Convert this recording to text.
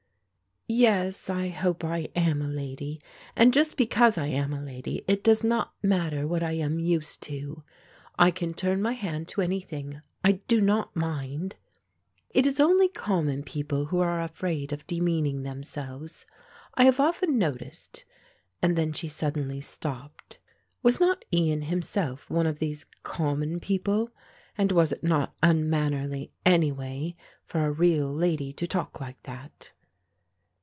"Yes, I hope I am a lady and just because I am a lady it does not matter what I am used to do. I can turn my hand to anything; I do not mind. It is only common people who are afraid of demeaning themselves. I have often noticed" and then she suddenly stopped: was not Ian himself one of these "common people," and was it not unmannerly anyway for a real lady to talk like that?